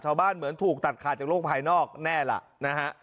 ชาวบ้านเหมือนถูกตัดขาดจากโรคภายนอกแน่ละนะฮะ